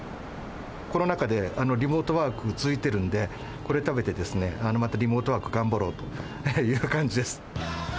コロナ禍でリモートワーク続いてるんで、これ食べてですね、またリモートワーク頑張ろうという感じです。